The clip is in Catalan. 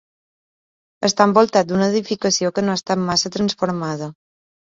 Està envoltat d'una edificació que no ha estat massa transformada.